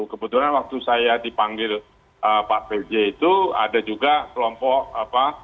kebetulan waktu saya dipanggil pak pj itu ada juga kelompok apa